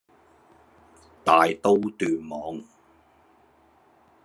大刀斷網！